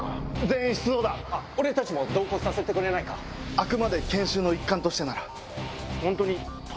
あくまで研修の一環としてなら。